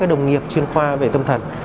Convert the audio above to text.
và các đồng nghiệp chuyên khoa về tâm thần